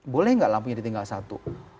boleh nggak lampunya ditinggal satu